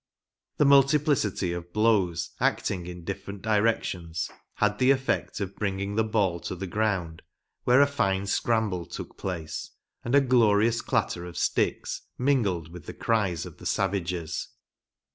The multiplicity of blows, acting in different directions, had the effect of bringing the ball to the ground, where a fine scramble took place, and a glorious clatter of sticks mingled with the cries of the savages.